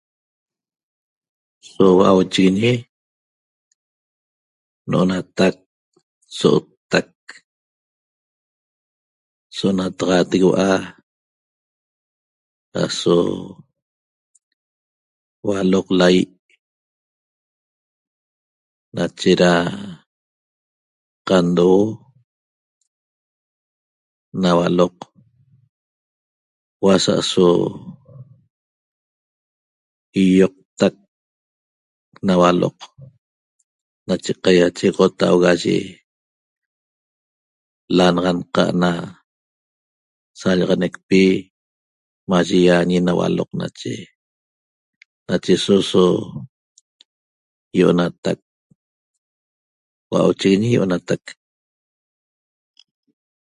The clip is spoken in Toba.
So hua'auchiguiñi no'onatac so'otac so'onataxatepegueua' aso hualoq laýe nache ra qandohuo na hualoq hua sa'aso huo'o iioqtaq na hualoq nache qaichexotauga ye lanaxanqa' saxallaneqpi maye iañe na hualoq nache nache so so io'onatac hua'auchiguiñi io'onatac